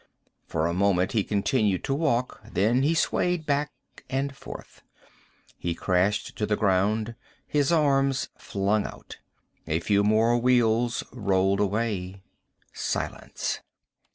For a moment he continued to walk. Then he swayed back and forth. He crashed to the ground, his arms flung out. A few more wheels rolled away. Silence.